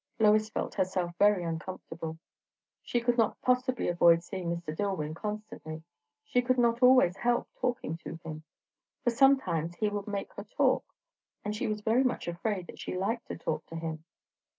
Lois felt herself very uncomfortable. She could not possibly avoid seeing Mr. Dillwyn constantly; she could not always help talking to him, for sometimes he would make her talk; and she was very much afraid that she liked to talk to him.